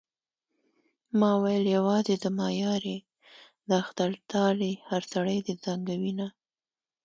ما ويل يوازې زما يار يې د اختر ټال يې هر سړی دې زنګوينه